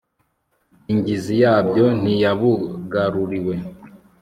ingizi yabwo ntiyabugaruriwe